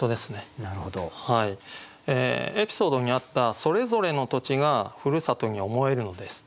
エピソードにあった「それぞれの土地が故郷に思えるのです」。